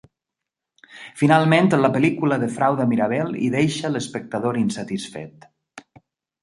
Finalment, la pel·lícula defrauda Mirabelle i deixa l'espectador insatisfet.